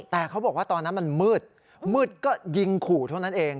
แต่เขาบอกว่าตอนนั้นมันมืดมืดก็ยิงขู่เท่านั้นเอง